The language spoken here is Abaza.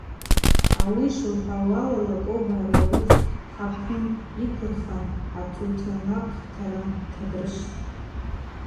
Ауи йшылгӏвуала, Лакоба Рауф хӏаквым йыквырхан атутанакътара дтадрышвтӏ.